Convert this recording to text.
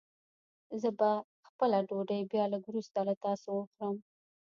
زه به خپله ډوډۍ بيا لږ وروسته له تاسو وخورم.